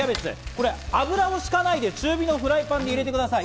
これ油を引かないで中火のフライパンに入れてください。